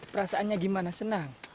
perasaannya gimana senang